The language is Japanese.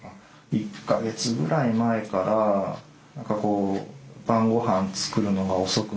１か月ぐらい前から何かこう晩ごはん作るのが遅くなったりだとか。